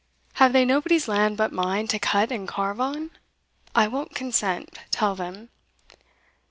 have they nobody's land but mine to cut and carve on? I won't consent, tell them."